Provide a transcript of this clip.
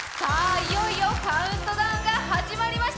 いよいよカウントダウンが始まりました。